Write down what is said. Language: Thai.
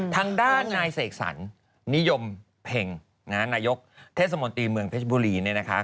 ทางด้านนายเสกสรรนิยมเพ็งนายกเทศมนตรีเมืองเพชบูรี